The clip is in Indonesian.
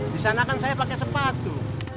disana kan saya pake sepatu